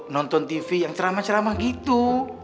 nonton tv yang ceramah ceramah gitu